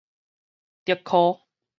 竹科